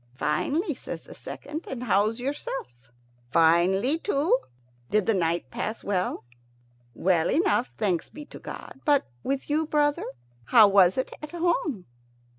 "Finely," says the second; "and how's yourself?" "Finely too. Did the night pass well?" "Well enough, thanks be to God. But with you, brother? How was it at home?"